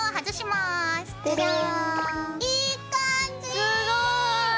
すごい！